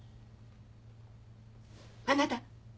あなた？